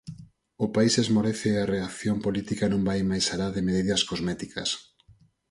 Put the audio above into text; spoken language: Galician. O país esmorece e a reacción política non vai máis alá de medidas cosméticas.